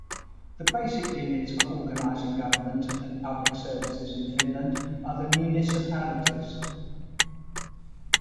The basic units for organising government and public services in Finland are the municipalities.